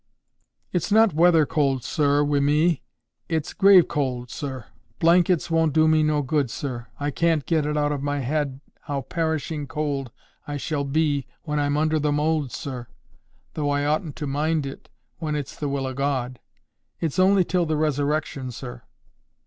"It's not weather cold, sir, wi' me. It's grave cold, sir. Blankets won't do me no good, sir. I can't get it out of my head how perishing cold I shall be when I'm under the mould, sir; though I oughtn't to mind it when it's the will o' God. It's only till the resurrection, sir."